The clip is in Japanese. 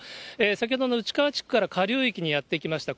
先ほどの内川地区から下流域にやって来ました。